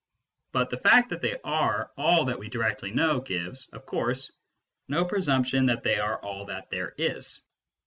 But the fact that they are all that we directly know gives, of course, no presumption that they are all that there is.